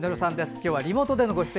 今日はリモートでのご出演。